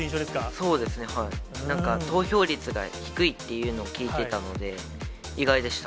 そうですね、なんか投票率が低いというのを聞いてたので、意外でした。